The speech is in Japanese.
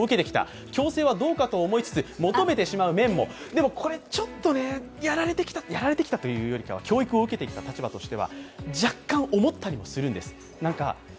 でも、これ、ちょっとね、やられてきたというよりかは教育を受けてきた立場としては若干思ったりもするんです。